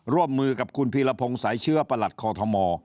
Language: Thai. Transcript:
ร่วมมือกับคุณพีรพงศ์สายเชื้อประหลัดคอทม